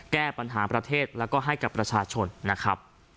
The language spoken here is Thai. แก้ปัญหาประเทศแล้วก็ให้กับประชาชนนะครับ